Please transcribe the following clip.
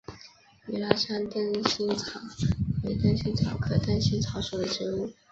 米拉山灯心草为灯心草科灯心草属的植物。